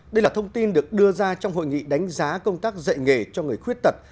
đây là thông tin được đưa ra trong hội nghị đánh giá công tác dạy nghề cho người khuyết tật